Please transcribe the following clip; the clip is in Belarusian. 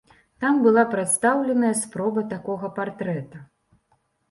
Там была прадстаўленая спроба такога партрэта.